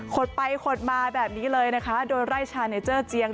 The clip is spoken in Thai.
ขดไปขดมาแบบนี้เลยโดยไร่ชาในเจื้อเจียง